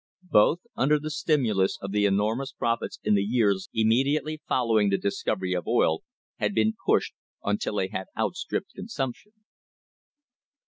Both, under the stimulus of the enormous profits in the years immediately following the discovery of oil, had been pushed until they had outstripped consumption.